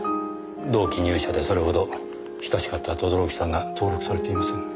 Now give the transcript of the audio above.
同期入社でそれほど親しかった轟さんが登録されていません。